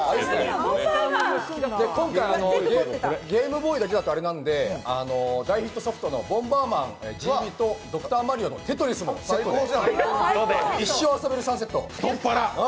今回、ゲームボーイだけじゃあれなんで、「ボンバーマンＧＢ」と「ドクターマリオ」と「テトリス」もセットで一生遊べる３セット。